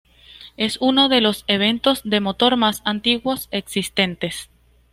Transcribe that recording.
Es uno de los eventos de motor más antiguos existentes.